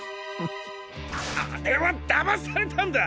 アレはだまされたんだ！